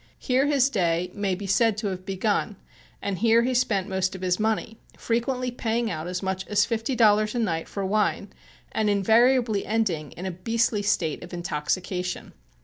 Here his day may be said to have begun and here he spent most of his money, frequently paying out as much as fifty dollars a night for wine and invariably ending in a beastly state of intoxication.